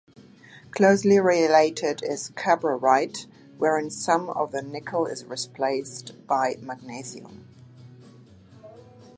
Closely related is "cabrerite" wherein some of the nickel is replaced by magnesium.